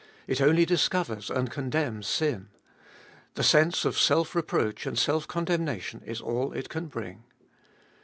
It only discovers and condemns sin ; the sense of self reproach and self condemnation is all it can bring.